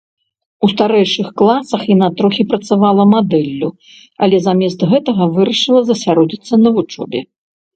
У старэйшых класах яна трохі працавала мадэллю, але замест гэтага вырашыла засяродзіцца на вучобе.